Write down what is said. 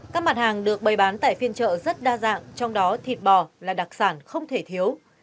các mặt hàng được bày bán tại phiên chợ rất đa dạng trong đó thịt bò là đặc sản không thể thiếu